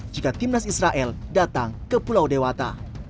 jika tim nas israel datang ke pulau dewata